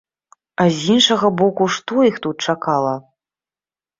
З іншага боку, што іх тут чакала?